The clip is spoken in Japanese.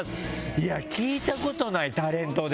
いや、聞いたことないタレントで。